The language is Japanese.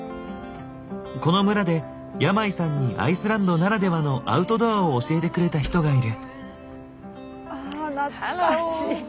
この村で山井さんにアイスランドならではのアウトドアを教えてくれた人がいる。